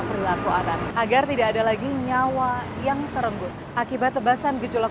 perilaku anak agar tidak ada lagi nyawa yang terenggut akibat tebasan gejolak